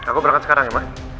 aku berangkat sekarang ya pak